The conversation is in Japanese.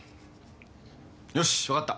よし分かった。